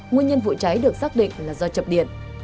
nguyên nhân vụ cháy được xác định là do chập điện